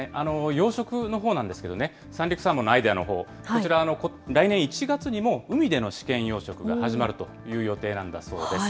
養殖のほうなんですけどね、三陸サーモンのアイデアのほう、こちら、来年１月にも海での試験養殖が始まるという予定なんだそうです。